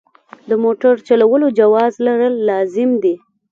د موټر چلولو جواز لرل لازم دي.